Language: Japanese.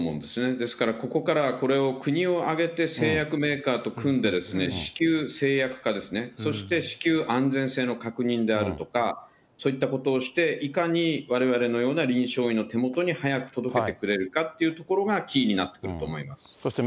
ですからここから、これを国を挙げて製薬メーカーと組んで、至急製薬化ですね、そして至急安全性の確認であるとか、そういったことをして、いかにわれわれのような臨床医の手元に早く届けてくれるかっていうところが、キーになってくると思います。